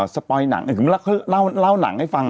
สปอยด์หนังเหมือนกับเล่าหนังให้ฟัง